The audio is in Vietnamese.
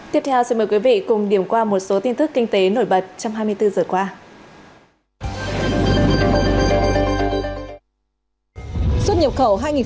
tiếp theo xin mời quý vị cùng điểm qua một số tin tức kinh tế nổi bật trong hai mươi bốn giờ qua